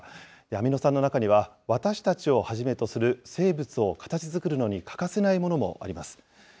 アミノ酸の中には、私たちをはじめとする生物を形づくるのに欠かせないものもあります。